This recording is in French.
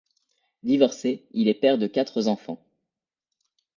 Divorcé, il est père de quatre enfants.